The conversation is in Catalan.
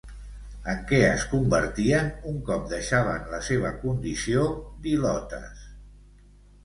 En què es convertien un cop deixaven la seva condició d'ilotes?